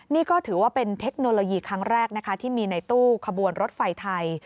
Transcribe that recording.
นี่ก็ถือว่าเป็นเทคโนโลยีครั้งแรกนะคะที่มีในตู้ขบวนรถไฟไทย